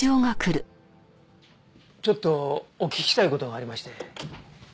ちょっとお聞きしたい事がありまして。